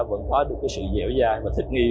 vận thoát được sự dẻo dài và thích nghi